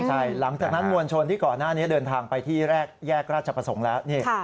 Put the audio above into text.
ใช่หลังจากนั้นมวลชนที่ก่อนหน้านี้เดินทางไปที่แรกแยกราชประสงค์แล้ว